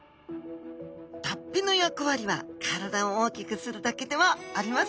脱皮の役割は体を大きくするだけではありません。